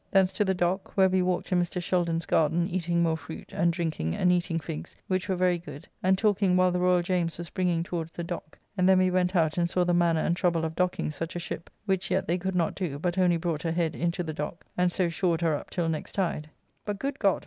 Thence to the dock, where we walked in Mr. Shelden's garden, eating more fruit, and drinking, and eating figs, which were very good, and talking while the Royal James was bringing towards the dock, and then we went out and saw the manner and trouble of docking such a ship, which yet they could not do, but only brought her head into the Dock, and so shored her up till next tide. But, good God!